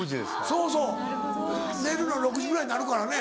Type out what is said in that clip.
そうそう寝るの６時ぐらいになるからね。